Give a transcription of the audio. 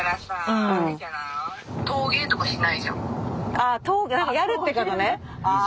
ああやるってことね。